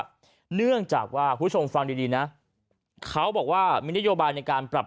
เนื่องจากว่าคุณผู้ชมฟังดีนะเขาบอกว่ามีนโยบายในการปรับ